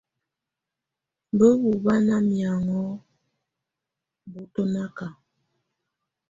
Bǝ́bu bá ná miaŋɔ bɔtɔnaka.